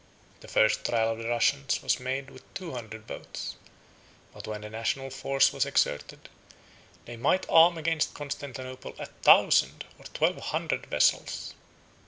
The first trial of the Russians was made with two hundred boats; but when the national force was exerted, they might arm against Constantinople a thousand or twelve hundred vessels.